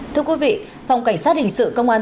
thưa quý vị phòng cảnh sát hình sự công an